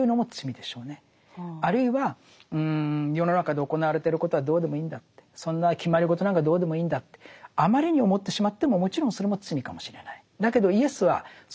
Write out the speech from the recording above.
あるいは世の中で行われてることはどうでもいいんだってそんな決まり事なんかどうでもいいんだってあまりに思ってしまってももちろんそれも罪かもしれない。